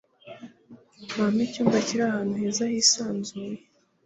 bampe icyumba kiri ahantu heza hisanzuye